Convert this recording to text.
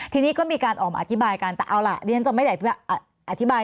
ทีนี้ก็มีการออกมาอธิบายกันแต่เอาล่ะเรียนจะไม่ได้อธิบาย